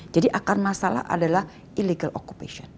jadi akar masalah adalah keperluan ilik